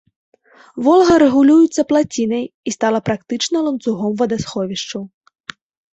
Волга рэгулюецца плацінай і стала практычна ланцугом вадасховішчаў.